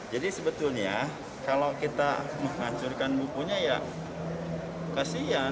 jadi sebetulnya kalau kita menghancurkan bukunya ya kasihan